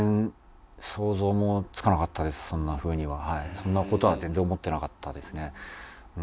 そんな事は全然思ってなかったですね。